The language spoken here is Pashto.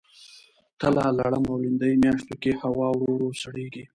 تله ، لړم او لیندۍ میاشتو کې هوا ورو ورو سړیږي.